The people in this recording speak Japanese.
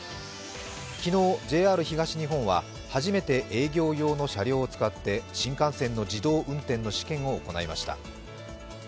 昨日、ＪＲ東日本は初めて営業用の車両を使って新幹線の自動運転の試験を行いました。